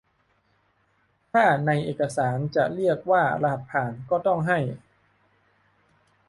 ถ้าในเอกสารจะเรียกว่า "รหัสผ่าน" ก็ต้องให้